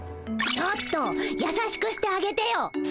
ちょっとやさしくしてあげてよ！